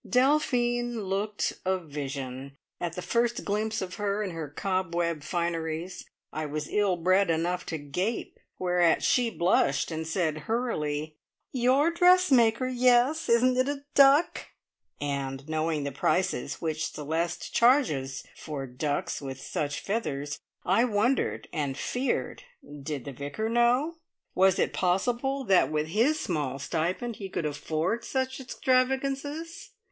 Delphine looked a vision! At the first glimpse of her in her cobweb fineries, I was ill bred enough to gape, whereat she blushed and said hurriedly: "Your dressmaker! Yes! Isn't it a duck?" And knowing the prices which Celeste charges for ducks with such feathers, I wondered, and feared! Did the Vicar know? Was it possible that with his small stipend he could afford such extravagances?